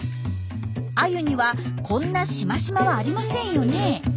アユにはこんなしましまはありませんよね。